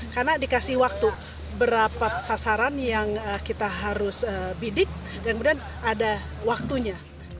karena dikasih waktu berapa sasaran yang kita harus bidik dan kemudian ada waktunya